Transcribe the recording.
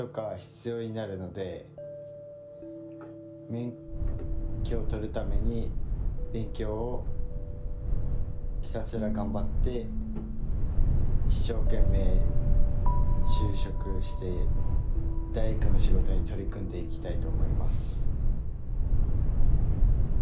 免許を取るために勉強をひたすら頑張って一生懸命就職して大工の仕事に取り組んでいきたいと思います。